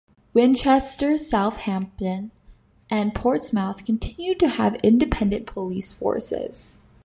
Winchester, Southampton and Portsmouth continued to have independent police forces.